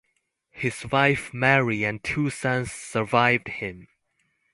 His wife Mary and two sons survived him.